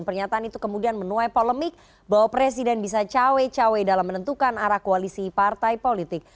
pernyataan itu kemudian menuai polemik bahwa presiden bisa cawe cawe dalam menentukan arah koalisi partai politik